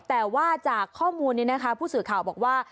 แต่ว่าจากข้อมูลนี้นะคะผู้สื่อข่าวบอกว่า